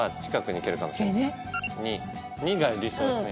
２が理想ですね。